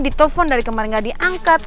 ditelfon dari kemarin gak diangkat